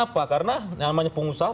kenapa karena namanya pengusaha